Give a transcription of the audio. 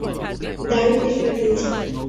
দারুণ দিন কাটিয়েছি।